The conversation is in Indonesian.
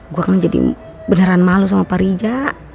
gue kan jadi beneran malu sama pak rija